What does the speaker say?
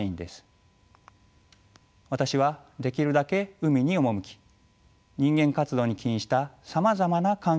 私はできるだけ海に赴き人間活動に起因したさまざまな環境